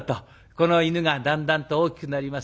この犬がだんだんと大きくなります。